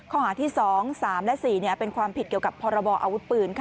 ข้อหาที่๒๓และ๔เป็นความผิดเกี่ยวกับพรบออาวุธปืน